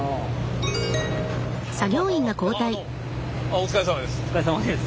お疲れさまです。